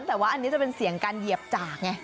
แต่ว่าอันนี้จะเป็นเสียงการเหยียบจากไง